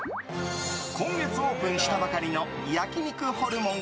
今月オープンしたばかりの焼肉ホルモン